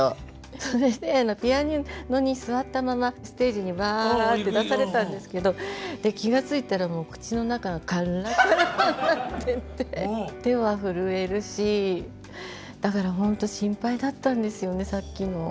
それでピアノに座ったままステージにわって出されたんですけど気が付いたらもう口の中がカラカラになっていて手は震えるしだからほんと心配だったんですよねさっきの。